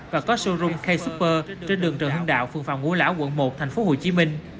và có showroom k super trên đường trường hưng đạo phương phòng ngũ lão quận một tp hcm